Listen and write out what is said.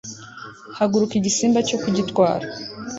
Haguruka igisimba cyo kugitwara